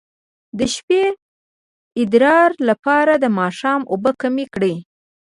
د شپې د ادرار لپاره د ماښام اوبه کمې کړئ